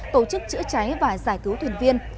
tổ chức chữa cháy và giải cứu thuyền viên